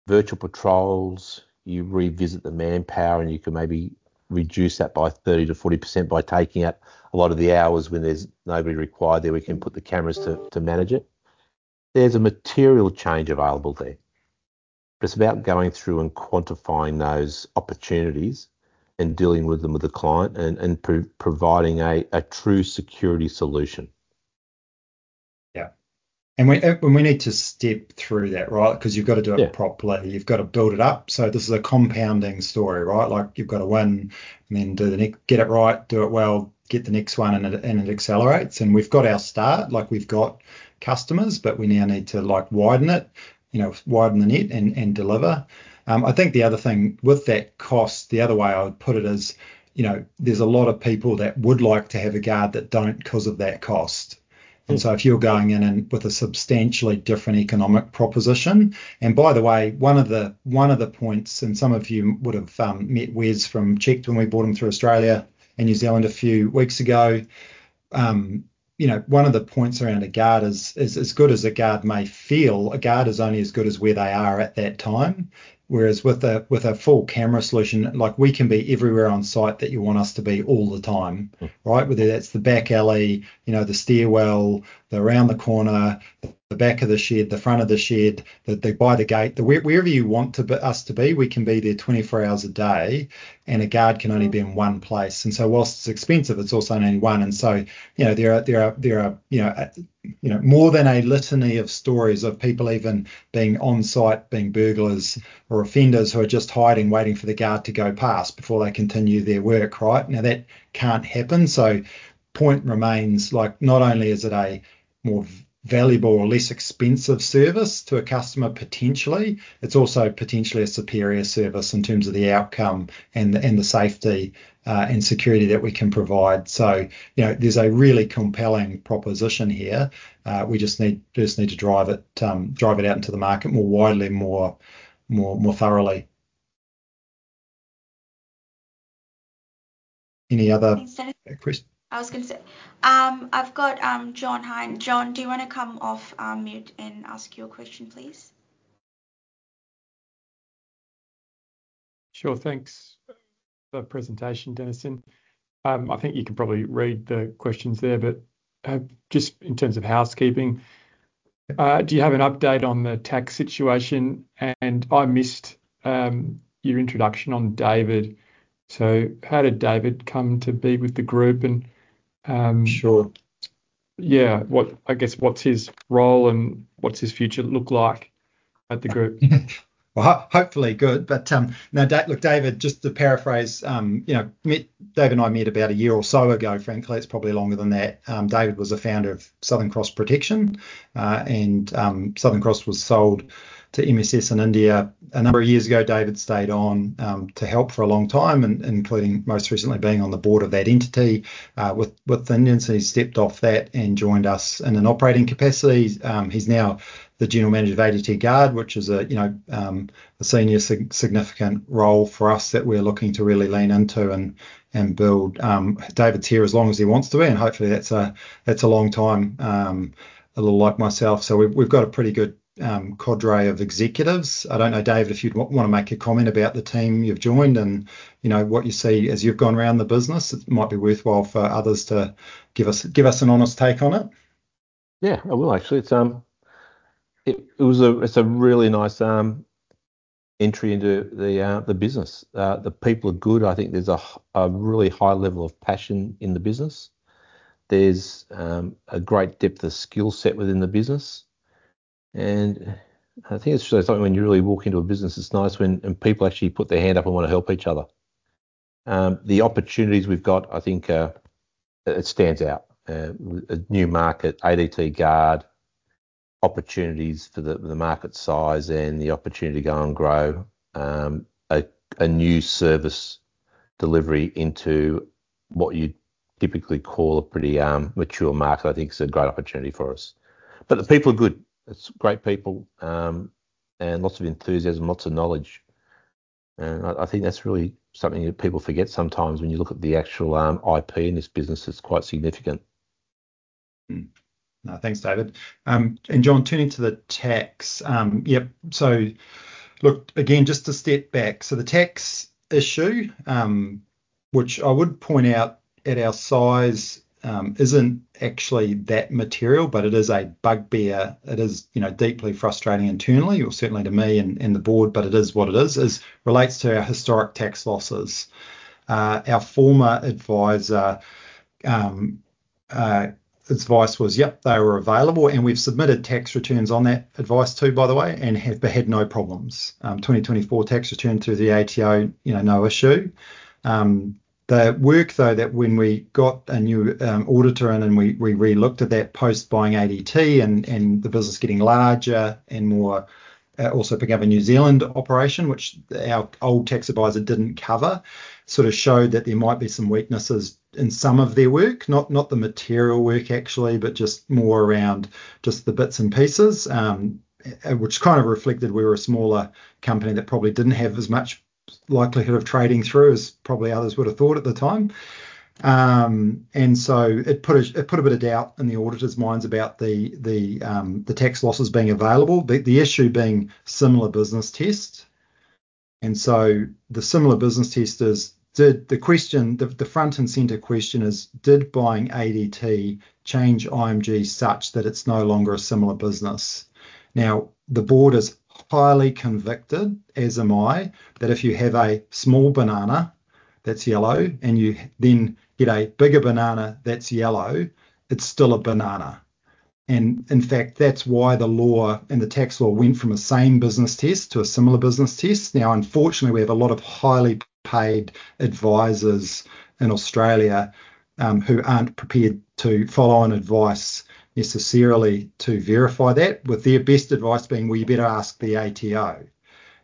virtual patrols, you revisit the manpower and you can maybe reduce that by 30% to 40% by taking out a lot of the hours when there's nobody required there, we can put the cameras to manage it. There's a material change available there. It's about going through and quantifying those opportunities and dealing with them with the client and providing a true security solution. Yeah. We need to step through that, right? Because you've going to do it properly. You've going to build it up. This is a compounding story, right? Like you've going to win and then do the next, get it right, do it well, get the next one and it, and it accelerates. And we've got our start, like we've got customers, but we now need to like widen it, widen the net and, and deliver. I think the other thing with that cost, the other way I would put it is, there's a lot of people that would like to have a guard that don't because of that cost. If you are going in and with a substantially different economic proposition, and by the way, one of the points and some of you would've met Wes from CHeKT when we brought him through Australia and New Zealand a few weeks ago, one of the points around a guard is, as good as a guard may feel, a guard is only as good as where they are at that time. Whereas with a full camera solution, like we can be everywhere on site that you want us to be all the time, right? Whether that's the back alley, the stairwell, around the corner, the back of the shed, the front of the shed, by the gate, wherever you want us to be, we can be there 24 hours a day and a guard can only be in one place. Whilst it's expensive, it's also only one. And so, there are more than a litany of stories of people even being on site, being burglars or offenders who are just hiding, waiting for the guard to go past before they continue their work, right? Now that can't happen. So point remains, like not only is it a more valuable or less expensive service to a customer potentially, it's also potentially a superior service in terms of the outcome and the, and the safety, and security that we can provide. So there's a really compelling proposition here. We just need, just need to drive it, drive it out into the market more widely more thoroughly. Any other questions? I was going to say, I've got John Hein. John, do you want to come off mute and ask your question, please? Sure. Thanks for the presentation, Dennison. I think you can probably read the questions there, but, just in terms of housekeeping, do you have an update on the tax situation? I missed your introduction on David. So how did David come to be with the group? Sure. I guess, what's his role and what's his future look like at the group? Hopefully good. Now, look, just to paraphrase, David and I met about a year or so ago, frankly, it's probably longer than that. David was a founder of Southern Cross Protection, and Southern Cross was sold to MSS in India a number of years ago. David stayed on to help for a long time, and including most recently being on the board of that entity with the Indians. He stepped off that and joined us in an operating capacity. He's now the general manager of ADT Guard, which is, a senior significant role for us that we are looking to really lean into and build. David's here as long as he wants to be. Hopefully that's a, that's a long time, a little like myself. So we've got a pretty good cadre of executives. I don't know, David, if you'd want to make a comment about the team you've joined and, what you see as you've gone around the business. It might be worthwhile for others to give us, give us an honest take on it. Yeah, I will actually. It's a really nice entry into the, the business. The people are good. I think there's a really high level of passion in the business. There's a great depth of skillset within the business. I think it's just like when you really walk into a business, it's nice when, when people actually put their hand up and want to help each other. The opportunities we've got, I think, it stands out, a new market, ADT Guard opportunities for the, the market size and the opportunity to go and grow a new service delivery into what you'd typically call a pretty, mature market. I think it's a great opportunity for us. But the people are good. It's great people, and lots of enthusiasm, lots of knowledge. I think that's really something that people forget sometimes when you look at the actual, IP in this business. It's quite significant. No, thanks, David and John, turning to the tax, Yes. So look again, just to step back. So the tax issue, which I would point out at our size, isn't actually that material, but it is a bugbear. It is, deeply frustrating internally, or certainly to me and, and the board, but it is what it is. It relates to our historic tax losses. Our former advisor's advice was, they were available and we've submitted tax returns on that advice too, by the way, and have had no problems. 2024 tax return to the ATO, no issue. The work though, that when we got a new auditor in and we re-looked at that post buying ADT and the business getting larger and more, also becoming a New Zealand operation, which our old tax advisor didn't cover, sort of showed that there might be some weaknesses in some of their work, not the material work actually, but just more around just the bits and pieces, which kind of reflected we were a smaller company that probably didn't have as much likelihood of trading through as probably others would've thought at the time. It put a bit of doubt in the auditor's minds about the tax losses being available, the issue being Similar Business Test. The Similar Business Test is, the front and center question is, did buying ADT change IMG such that it's no longer a similar business? Now the board is highly confident, as am I, that if you have a small banana that's yellow and you then get a bigger banana that's yellow, it's still a banana. In fact, that's why the law and the tax law went from a same business test to a Similar Business Test. Unfortunately, we have a lot of highly paid advisors in Australia, who aren't prepared to follow on advice necessarily to verify that with their best advice being, well, you better ask the ATO.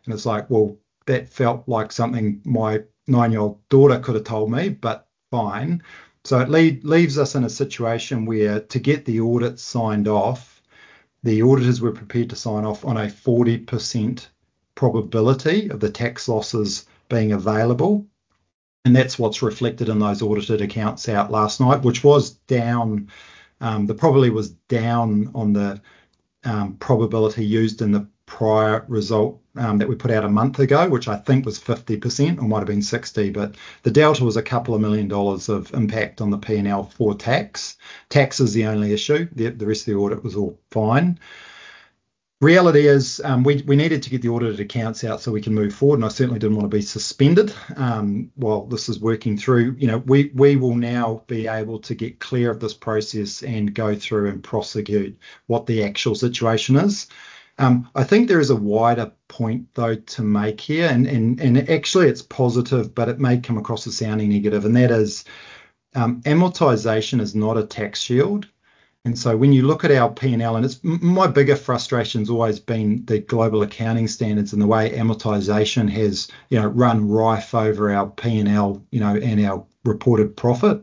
It's like, well, that felt like something my nine-year-old daughter could have told me, but fine. So it leaves us in a situation where to get the audit signed off, the auditors were prepared to sign off on a 40% probability of the tax losses being available. That's what's reflected in those audited accounts out last night, which was down. The probability was down on the probability used in the prior result that we put out a month ago, which I think was 50% or might have been 60%, but the delta was a couple of million dollars of impact on the P&L for tax. Tax is the only issue. The rest of the audit was all fine. Reality is, we needed to get the audited accounts out so we can move forward. I certainly didn't want to be suspended, while this is working through, we will now be able to get clear of this process and go through and prosecute what the actual situation is. I think there is a wider point though to make here. And actually it's positive, but it may come across as sounding negative. And that is, amortization is not a tax shield. When you look at our P&L and it's my bigger frustration's always been the global accounting standards and the way amortization has, run rife over our P&L, and our reported profit.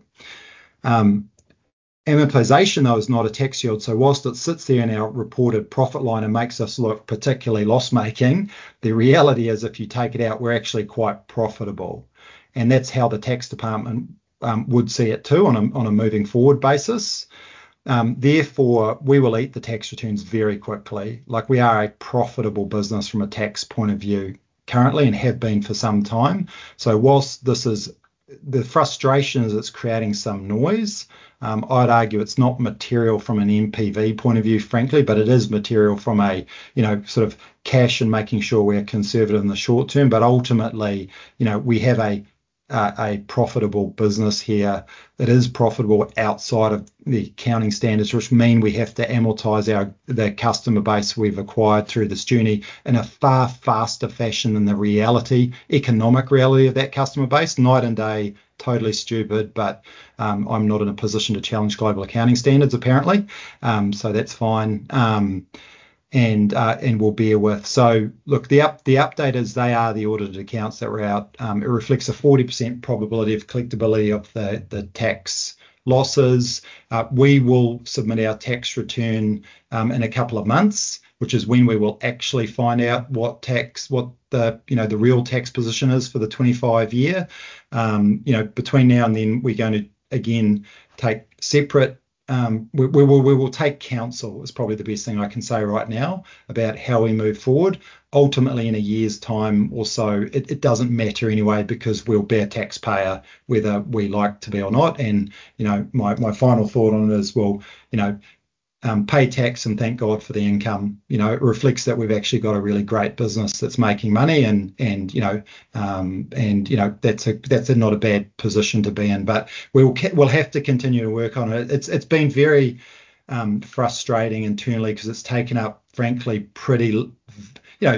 Amortization though is not a tax shield. So while it sits there in our reported profit line and makes us look particularly loss making, the reality is if you take it out, we're actually quite profitable. That's how the tax department would see it too on a moving forward basis. Therefore we will file the tax returns very quickly. Like we are a profitable business from a tax point of view currently and have been for some time. So while this is the frustration is it's creating some noise, I'd argue it's not material from an NPV point of view, frankly, but it is material from a, sort of cash and making sure we are conservative in the short term. But ultimately, we have a profitable business here. It is profitable outside of the accounting standards, which mean we have to amortize our the customer base we've acquired through this journey in a far faster fashion than the reality, economic reality of that customer base. Night and day, totally stupid, but I'm not in a position to challenge global accounting standards apparently. So that's fine. We'll bear with. So look, the update is they are the audited accounts that were out. It reflects a 40% probability of collectibility of the tax losses. We will submit our tax return in a couple of months, which is when we will actually find out what the, the real tax position is for the '25 year. between now and then we're going to again take separate counsel. We will take counsel is probably the best thing I can say right now about how we move forward. Ultimately, in a year's time or so, it doesn't matter anyway because we'll be a taxpayer whether we like to be or not. My final thought on it is, well, pay tax and thank God for the income. it reflects that we've actually got a really great business that's making money, that's not a bad position to be in, but we will, we'll have to continue to work on it. It's been very frustrating internally because it's taken up frankly pretty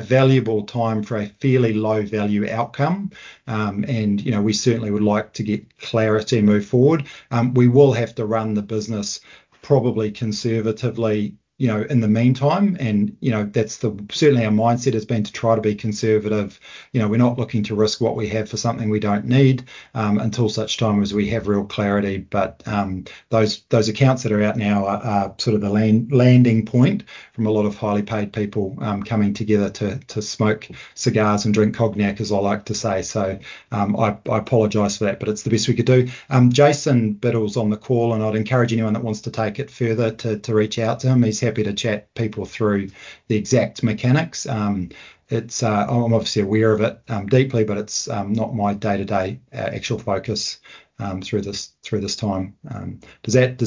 valuable time for a fairly low value outcome. We certainly would like to get clarity and move forward. We will have to run the business probably conservatively, in the meantime. That's certainly our mindset has been to try to be conservative. We're not looking to risk what we have for something we don't need, until such time as we have real clarity. But, those accounts that are out now are sort of the land, landing point from a lot of highly paid people, coming together to smoke cigars and drink cognac, as I like to say. So, I apologize for that, but it's the best we could do. Jason Biddle's on the call and I'd encourage anyone that wants to take it further to reach out to him. He's happy to chat people through the exact mechanics. It's, I'm obviously aware of it, deeply, but it's not my day-to-day, actual focus, through this time. Does that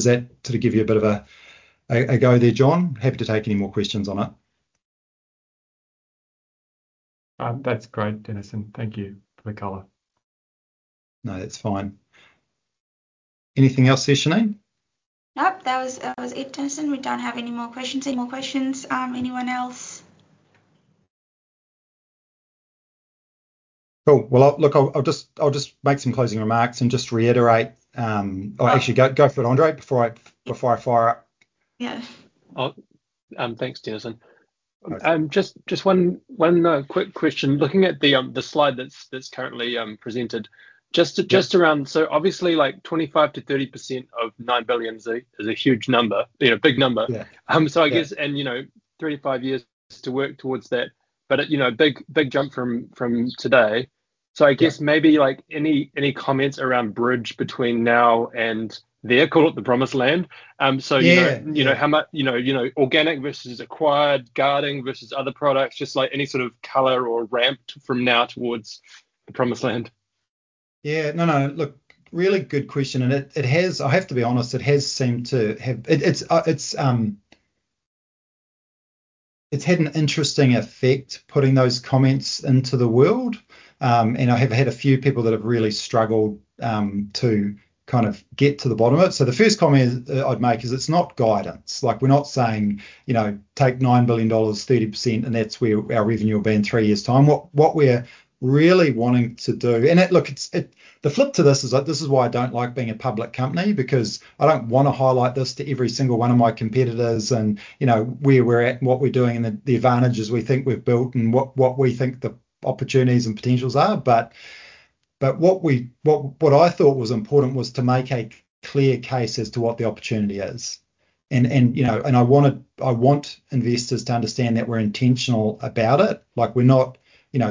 sort of give you a bit of a go there, John? Happy to take any more questions on it. That's great, Dennison. Thank you for the color. No, that's fine. Anything else, Shane? Nope, that was it, Dennison. We don't have any more questions. Any more questions? Anyone else? Cool. Well, I'll just make some closing remarks and just reiterate, or actually go for it, Andre, before I fire up. Yeah. Thanks, Dennison. Just one quick question. Looking at the slide that's currently presented, just around, so obviously like 25% to 30% of 9 billion is a huge number, big number. Yeah. So I guess, 35 years to work towards that, but it, big jump from today. So I guess maybe like any comments around the bridge between now and getting to the promised land. How much organic versus acquired guarding versus other products, just like any sort of color or ramped from now towards the promised land? Yeah. No, no. Look, really good question. I have to be honest, it has seemed to have, it's had an interesting effect putting those comments into the world. I have had a few people that have really struggled to kind of get to the bottom of it. So the first comment I'd make is it's not guidance. Like we're not saying, take 9 billion dollars, 30%, and that's where our revenue will be in three years' time. What we are really wanting to do, and, look, it's the flip to this is like, this is why I don't like being a public company because I don't want to highlight this to every single one of my competitors and, where we're at, what we're doing and the advantages we think we've built and what we think the opportunities and potentials are. But what I thought was important was to make a clear case as to what the opportunity is. And, I want investors to understand that we're intentional about it. Like we're not,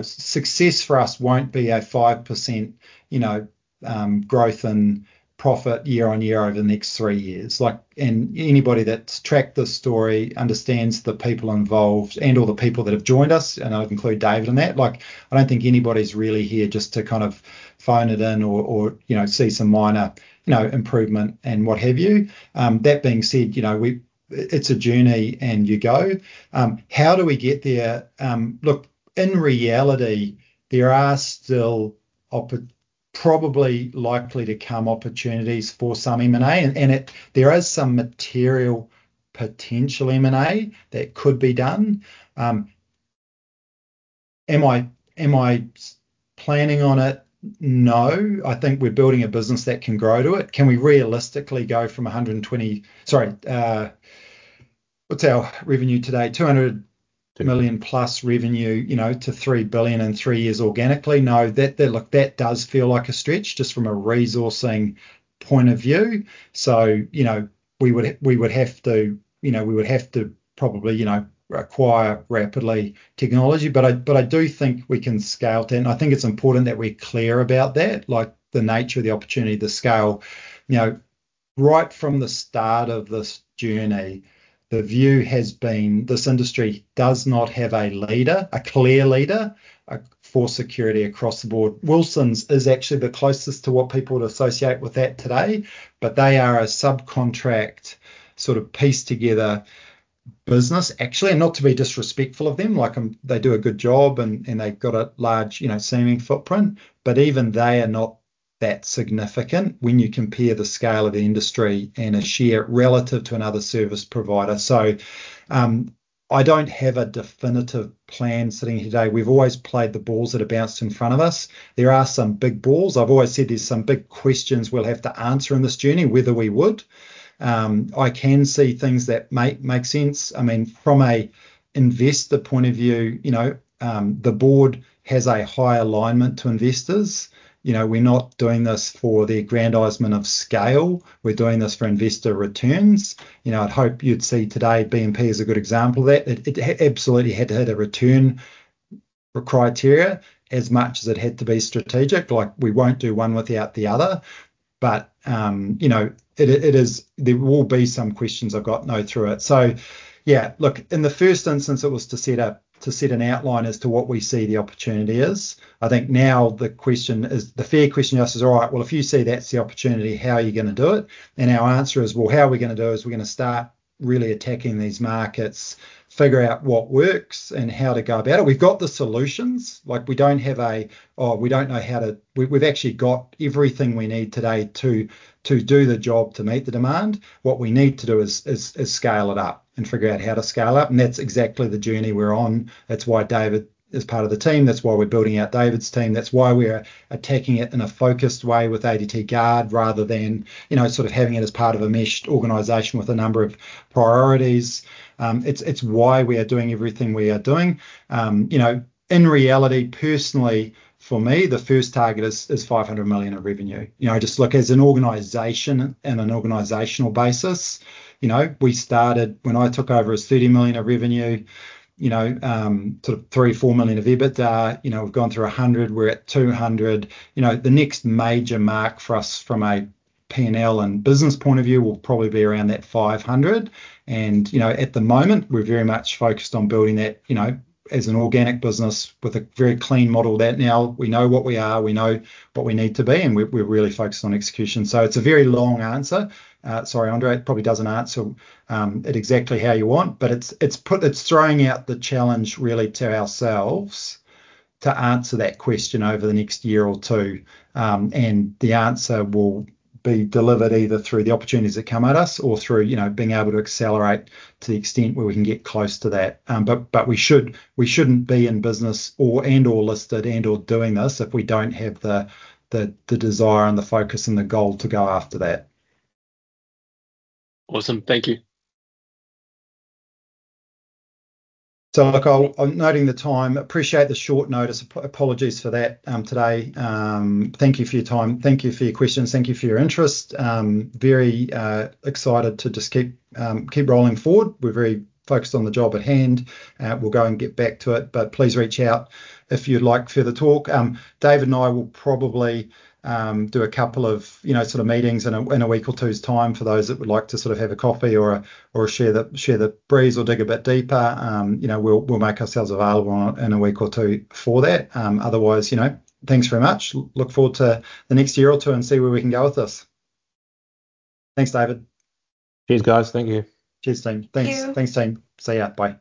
success for us won't be a 5% growth in profit year on year over the next three years. Like, and anybody that's tracked this story understands the people involved and all the people that have joined us, and I'd include David in that. Like I don't think anybody's really here just to kind of phone it in or, see some minor, improvement and what have you. That being said, it's a journey and you go. How do we get there? Look, in reality, there are still opport, probably likely to come opportunities for some M&A, and, and it, there is some material potential M&A that could be done. Am I, am I planning on it? No, I think we're building a business that can grow to it. Can we realistically go from 120, sorry, what's our revenue today? 200 million plus revenue, to 3 billion in three years organically? No, that looks like a stretch just from a resourcing point of view. So, we would have to probably acquire rapidly technology. But I do think we can scale to, and I think it's important that we're clear about that, like the nature of the opportunity, the scale, right from the start of this journey, the view has been this industry does not have a leader, a clear leader for security across the board. Wilson's is actually the closest to what people would associate with that today, but they are a subcontract sort of pieced together business, actually, and not to be disrespectful of them. Like, they do a good job and they've got a large, seeming footprint, but even they are not that significant when you compare the scale of the industry and a share relative to another service provider. So, I don't have a definitive plan sitting today. We've always played the balls that are bounced in front of us. There are some big balls. I've always said there's some big questions we'll have to answer in this journey whether we would. I can see things that make sense. I mean, from an investor point of view, the board has a high alignment to investors. We are not doing this for the aggrandizement of scale. We are doing this for investor returns. I'd hope you'd see today BNP is a good example of that. It absolutely had to hit a return criteria as much as it had to be strategic. Like we won't do one without the other. But, it is, there will be some questions I've gotten through it. So yeah, look, in the first instance, it was to set up an outline as to what we see the opportunity is. I think now the question is, the fair question you ask is, all right, well, if you see that's the opportunity, how are you going to do it? And our answer is, well, how are we going to do it? We're going to start really attacking these markets, figure out what works and how to go about it. We've got the solutions. Like we don't have a, oh, we don't know how to, we've actually got everything we need today to do the job to meet the demand. What we need to do is scale it up and figure out how to scale up. And that's exactly the journey we're on. That's why David is part of the team. That's why we're building out David's team. That's why we are attacking it in a focused way with ADT Guard rather than, sort of having it as part of a meshed organization with a number of priorities. It's why we are doing everything we are doing. in reality, personally, for me, the first target is 500 million of revenue. I just look as an organization and an organizational basis. We started when I took over as 30 million of revenue, sort of 3 to 4 million of EBITDA. we've gone through a hundred, we're at 200. the next major mark for us from a P&L and business point of view will probably be around that 500. at the moment we're very much focused on building that, as an organic business with a very clean model that now we know what we are, we know what we need to be, and we're, we're really focused on execution. So it's a very long answer. Sorry, Andre, it probably doesn't answer it exactly how you want, but it's throwing out the challenge really to ourselves to answer that question over the next year or two. The answer will be delivered either through the opportunities that come at us or through, being able to accelerate to the extent where we can get close to that. But we should, we shouldn't be in business or, and or listed and or doing this if we don't have the desire and the focus and the goal to go after that. Awesome. Thank you. So look, I'll, I'm noting the time. Appreciate the short notice. Apologies for that today. Thank you for your time. Thank you for your questions. Thank you for your interest. Very excited to just keep rolling forward. We're very focused on the job at hand. We'll go and get back to it, but please reach out if you'd like further talk. David and I will probably do a couple of, sort of meetings in a week or two's time for those that would like to sort of have a coffee or a share the breeze or dig a bit deeper. we'll make ourselves available in a week or two for that. Otherwise, thanks very much. Look forward to the next year or two and see where we can go with this. Thanks, David. Cheers, guys. Thank you. Cheers, team. Thanks. Thanks, team. See you. Bye.